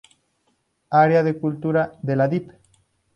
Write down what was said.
Área de Cultura de la Dip.